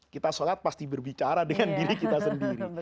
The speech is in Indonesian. kita sholat pasti berbicara dengan diri kita sendiri